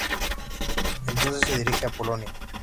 Entonces se dirige a Polonia.